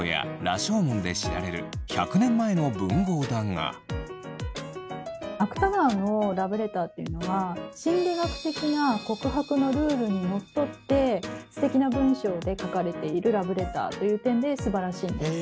はいそれはですね芥川のラブレターっていうのは心理学的な告白のルールにのっとってすてきな文章で書かれているラブレターという点ですばらしいんです。